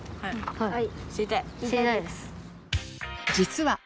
はい。